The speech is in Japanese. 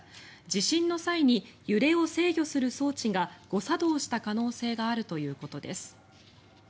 地震の際に揺れを制御する装置が誤作動した可能性があるということです。